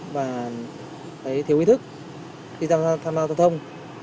và thấy thiếu ý thức đi thăm giao thông